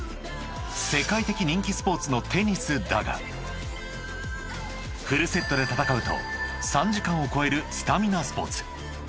［世界的人気スポーツのテニスだがフルセットで戦うと３時間を超えるスタミナスポーツ］